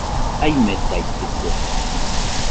Aimetaitɨkue